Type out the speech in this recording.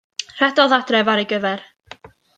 Rhedodd adref ar ei gyfer.